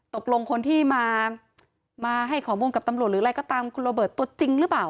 ตกลงคนที่มาให้ข้อมูลกับตำรวจหรืออะไรก็ตามคุณโรเบิร์ตตัวจริงหรือเปล่า